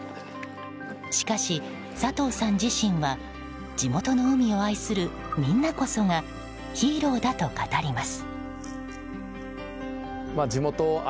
しかし、佐藤さん自身は地元の海を愛するみんなこそがヒーローだと語ります。